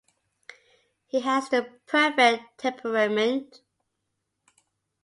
He has the perfect temperament.